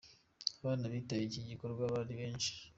Abana bitabiriye iki gikorwa ari benshi.